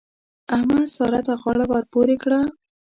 احمد؛ سارا ته غاړه ور پورې کړه.